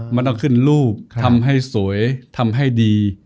มันต้องขึ้นรูปทำให้สวยทำให้ดี